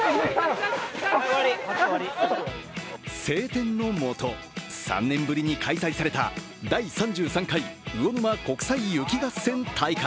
晴天の下、３年ぶりに開催された第３３回魚沼国際雪合戦大会。